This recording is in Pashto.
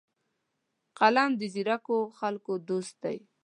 قلم د ځیرکو خلکو دوست دی